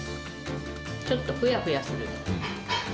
ちょっとふやふやする。